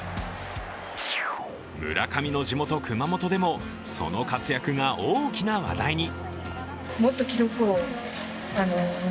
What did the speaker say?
村上の地元・熊本でも、その活躍が大きな話題に。